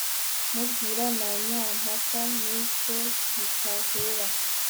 mu Bwira na Nyampaka nishe Bitahura